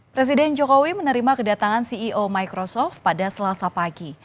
presiden jokowi menerima kedatangan ceo microsoft pada selasa pagi